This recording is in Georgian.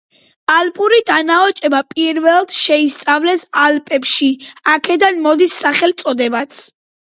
ალპური დანაოჭება პირველად შეისწავლეს ალპებში, აქედან მოდის სახელწოდებაც.